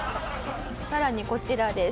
さらにこちらです。